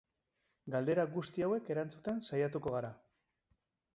Galdera guzti hauek erantzuten saiatuko gara.